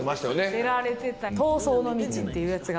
が出られてた「逃走の道」っていうやつがね